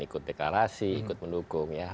ikut deklarasi ikut mendukung ya